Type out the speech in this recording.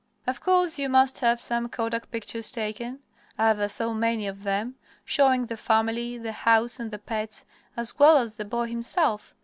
Of course, you must have some kodak pictures taken ever so many of them showing the family, the house, and the pets, as well as the boy himself.